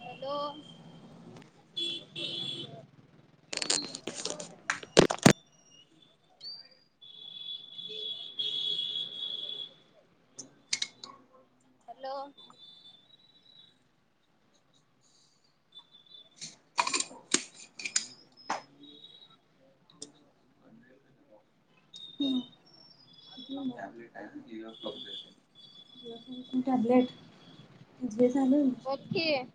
[unintelligible] [unintelligible] Hello ह आपले काय ज टॅबलेट क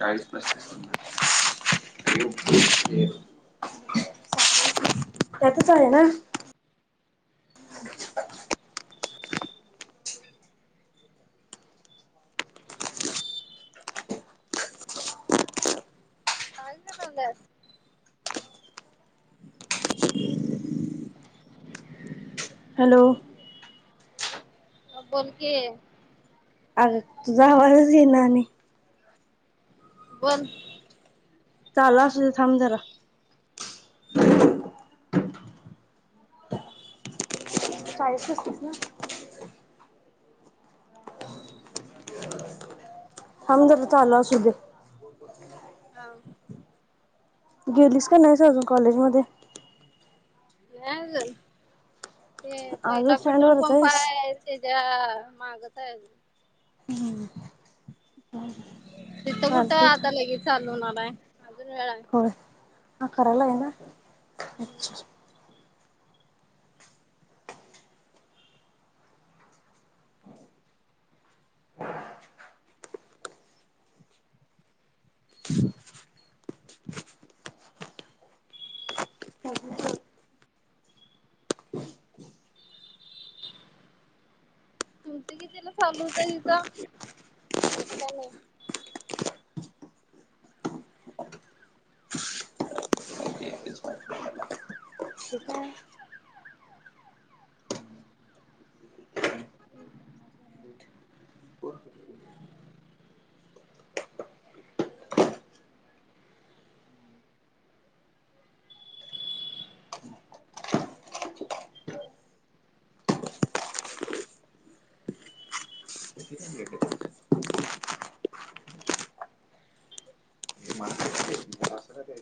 चाळीस प एक [unintelligible] त्यातच आहे ना? काय करायलास? [unintelligible] हॅलो हा बोल की अग तुझा आवाजच घे ना आणि बोल चाला सुध थांब जरा हा कायचती ना हमदर चालला असू दे नाही गेलीस का नाहीस अजून कॉलेज मध्ये नाहीज ते अजून पहिला पेट्रोल स्टँडवरच पंप आहेस आहे इ्या मागताय तिथं कुठं चालतंय थांब आता लगेच चालवणारय अजून वेळ आहे होय हा करायला आहे ना निवांत अच्छा तुमचं कितीला चालू होत हिचा आजच का नाही काय [inaudible] मा खे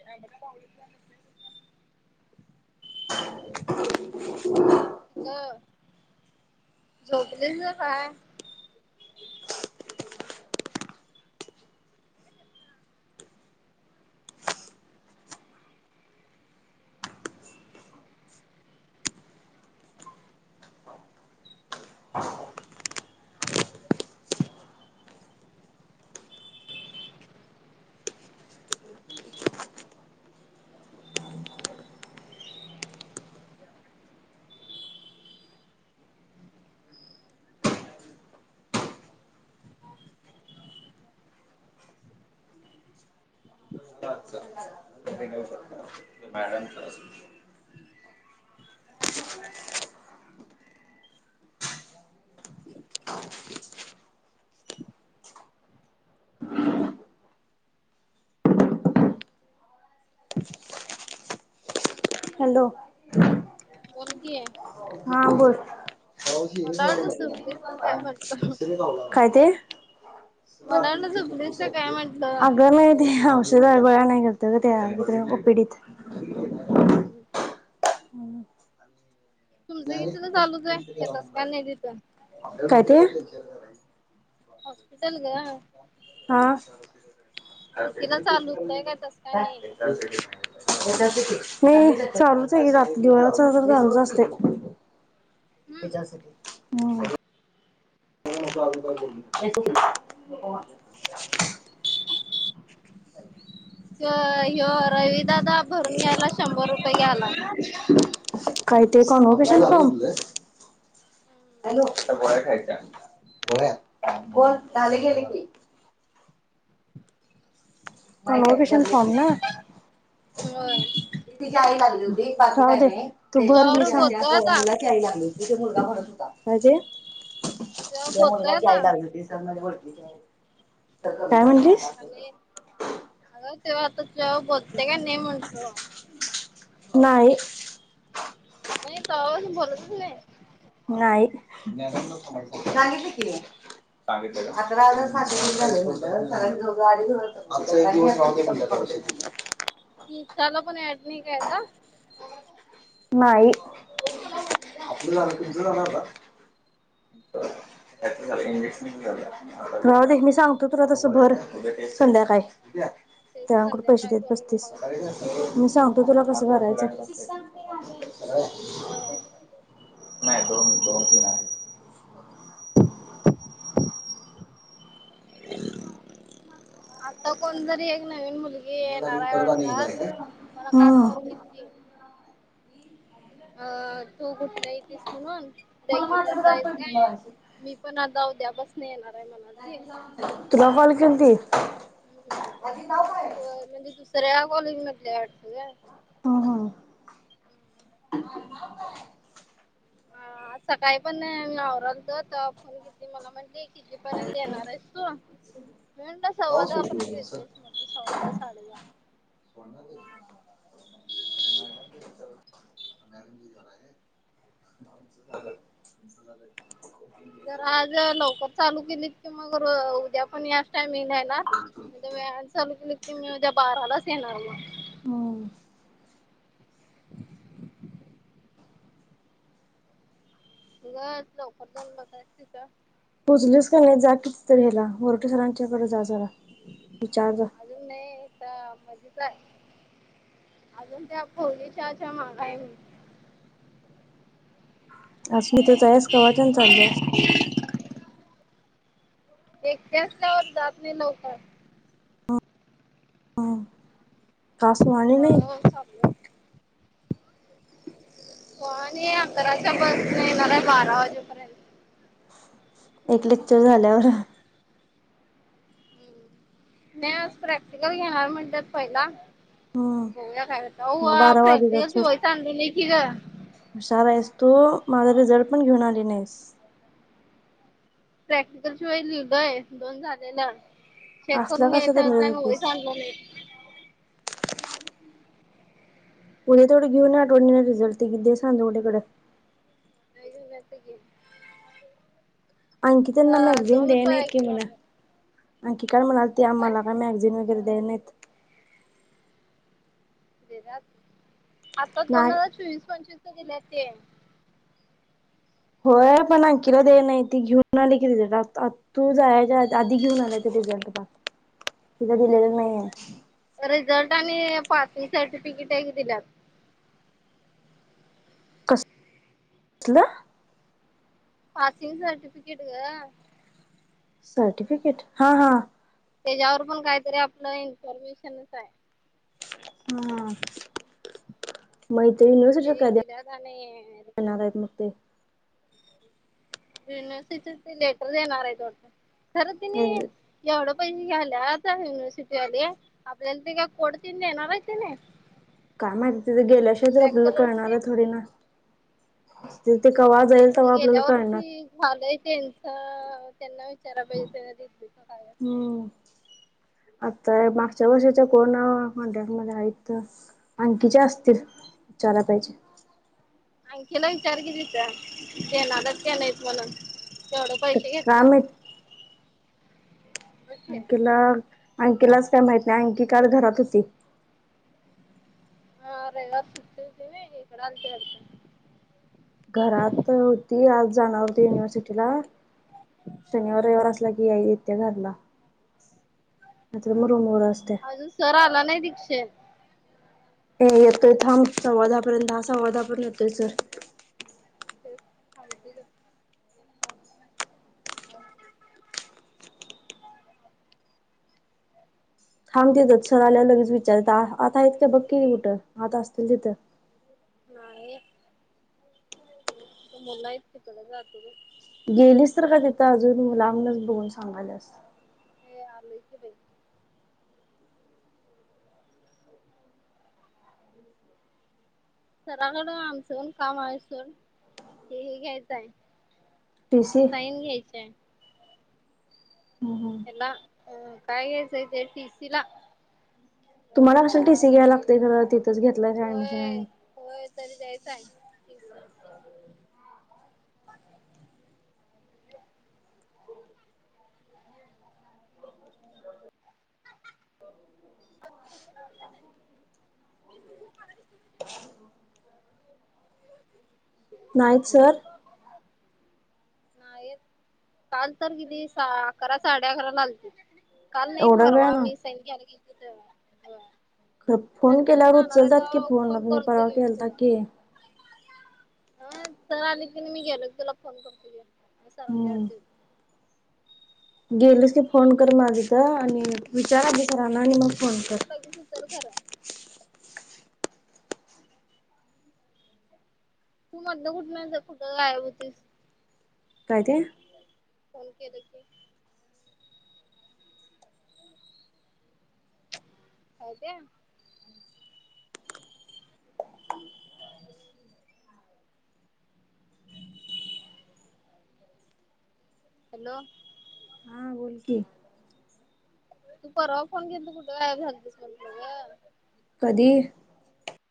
ह ब [inaudible] झोपले ना काय [inaudible] शकतो मॅडम [inaudible] हॅलो बोल की आहे हा बोल मला वाटलं झोपलीस का काय म्हटलं काय ते मला वाटलं झोपलीस का काय म्हटलं अगं बाई ते औषध तबळा नाही करत का त्याप पिडीत तुमचं किती तर चालच आहे येतस का नाही तिथं काय ते हॉस्पिटल ग हा कितीला नाही चालू होतय काय तस काय नाही चालूच आहे र दिवाळाच झालच असते ते हम्म जा से [inaudible] अ यो रवी दादा [inaudible] भरून घ्यायला शंभर रुपये घ्यायला काही ते कामावर कशाला थांबते हो बोल झाले गेले की थांब लोकेशन थांबल हो तिच्या आईला येऊ दे हो काय त्या तुझ्यावर बोलतोय आता मुलगाची आई तुझ्यावर बोलतोय आता लागली होती सग काय म्हणते ले अगं तेव्हा आता ज बोलते का नाही म्हणटतो नाही नाही तवापासून बोलतच नाही नाही सांगितलं का आता लावणार खाते मध्ये दिवस राहू दे इन्स्टा ला पण ऍड नाही आहे का ग माई त्याच झाल कि इंजेक्शन घेऊ आता राव दे मी सांगतो तुला तस भर संध्याकाय तेच त्याांकुड पैसे संध्याकाळी देत बोलतो बस्तीस मग मी सांगतो तुला कसं भरायचं हो नाही आता कोणतरी एक नवीन मुली ये नारयवरडचा आज मला काल फोन हम्म. कतीती अ तू कुठ नाही ये तस म्हणून मला माझ्या रेग्युलर घरात लाईफ काय पडली मी पण आता उद्या बसने येणार आहे मना ते तुला कॉल केलती माझी नाव काय? होय म्हणजे दुसऱ्या कॉलेजमधले आहे वाटतं काय हा ह हा सकाळी पण आववरलतो फोन घेतली मला म्हटली तेपर्यंत येणार आहेस तू म्ह सव्वा दहा पर्यंत येतोयस म्हटजे सव्वा दहा साडेदहा [inaudible] [inaudible] [unintelligible] न झालंय जर आज लवकर चालू केलीत की मग उद्या पण या टामिंग येणार व्याया चालू केलं की मी उद्या बारालाच येणार मग हम [inaudible] ग लवकर जाऊन बघय ति का पुजलीच का नाही जा कितीतरी ह्याला वरटी सरांच्याकडे जा जरा विचार जा अजून नाहीता मजच आहे अजून त्या भवलेच्याच्या मागाई आज मी तेच यास का वाचन चाल एकट त्यावर जात नाही लवकर ह काासवा होय होय चाललंय पण अंतराच्या बस येणार बारा वाजेपर्यंत एक लेक्चर झाल्यावर नाही आज प्रॅक्टिकल घेणार म्हणतात पहिला हम्म बया कायत मग बारा प्रॅक्टिकल जवाय चांू नाही की का शारा आहेस तो माझा रिझल्ट पण घेऊन आले नाहीस प्रॅक्टिकल शिवाय लिहिलंय दोन झालेला शेक असला करून कसला घ्यायचं तंद्रीत व होतीस आणलं नाही पुढे तेथोडी घेऊ आठवणीने रिल्टटिेते सांध ठेकडे अंकितांना आता दोनच वया खेणार आणंखी काय म्हणाल ते आम्हाला काय मॅगझिन वगैरे द्या नाहीत [inaudible] आता दोन नाय हजार चोवीस पंचवीस गेले ते होय पण अखिला दे नाही ती घेऊन न आले की रिझल्ट तू जायच्या आधी घेऊन आलाय ते रिझल्ट तिला दिलेलं नाहीये रिझल्ट आणि पासिंग सर्टिफिकेट दिल्या असलं पासिंग सटिफिकेट का सर्टिफिकेट हा हा त्याच्यावर पण काहीतरी आपलं इन्फॉर्मेशनच आहे हम् मैतरी निव्हस श ते एक कायध्या दिल्यात आणि येणार आहेत मग ते युनिव्हर्सिटी ते लेटर देणार आहे तट खरं तिने ते एवढं पैसे घल्या आता युनिव्हर्सिटीमध्येध्ये आपल्यालीग कोडतीने न रायतने काय माहिती तिथे गेल्याशिवायच आपल्याला कलरच कळणार ते आहे थोडी ना तिथे कवाज आहे ते आपल्याला गेल्या कळणार वर्षी झालंय त्यांचं त्यांना विचारा पाहिजे त्यांना दिच काय असं हम्म आता मागच्या वर्षीचा कोण कॉन्ट्रॅक्ट मध्ये आहेत आणंखीचे असतील विचारा पाहिजे आणंखीला विचार केली त्या केणारदच ते नाहीत म्हणून तेवढं तर पैसे घेतल्यात काय माहित बघ की अंकिला अंकिलाच काय माहित नाही अंकी का घरात होती हा ररे व सुतीनकडे अलते अत घरात होती आज जाणार होती युनिव्हर्सिटीला शनिवार एार असला की याई येत्या घरला न्र मुर मुर असे स आला नाही दी्क्षेत हे येतोय थांब सव्वादापर्यंतहा सव्वादाापर्यंत योय सर. ते हती. ांब देतात सर आल्या लगेच विचारत आता आहेत काय बघकीि कुठं आता असतील तिथं. नाही आ मुलाच क तला ज तु. गेलीस तर का तिथं अजून लांबूनच बघून सांगायलास. ह आ लईज बा. सराकड आमचून कामासून हे हे घ्यायचं आहे. पीस. साईन घ्यायचेय. हम हम. काही सतेट इसिला. तुम्हाला केल टीसी घ्याय लागतेयर तिथच घलाय ऍडमिशन होय आणि. होय तरी दय सांग ठीक आहे आम्हाला ह [inaudible] नाहीत सर. ह ह. नाही चाल तर किती अकरा साडे अकरा लागलतील. काल नाही एवढा परवा वेळानं मी सैनिकी आला गेलो. फोन नंतर न केल्यावर जाणार आहे उचलतात की त फोन मी करतो परवा घे केलता तुला की ह सर आली तीने मी गेलो तुला फोन करतझ स माझ्या हम्म. अडज हो. गेलीस की फोन कर माझी का आणि विचाराधी करा ना आणि मग फोन कर. े सु तर खरं. तू मध कुठमचा कुठं गायब होतीस. काय ते. फण केख. कायज्या. हॅलो. हा बोल क. तू परवा फोन घेन तू कुठे काय भगस म्ह. कधी.